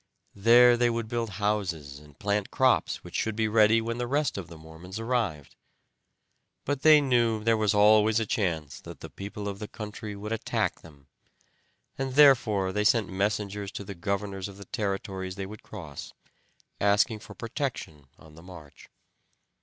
There they would build houses, and plant crops which should be ready when the rest of the Mormons arrived. But they knew there was always a chance that the people of the country would attack them, and therefore they sent messengers to the governors of the territories they would cross, asking for protection on the march.